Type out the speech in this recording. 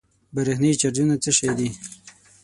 برېښنايي چارجونه څه شی دي؟